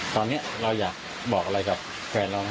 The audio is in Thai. ตอนนี้เราอยากบอกอะไรกับแฟนน้อง